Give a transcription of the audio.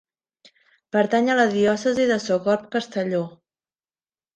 Pertany a la Diòcesi de Sogorb Castelló.